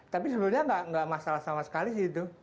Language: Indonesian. tapi sebetulnya enggak masalah sama sekali sih itu